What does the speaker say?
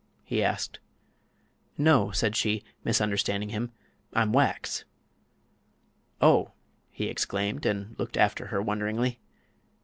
he asked. "No," said she, misunderstanding him; "I'm wax." "Oh!" he exclaimed, and looked after her wonderingly.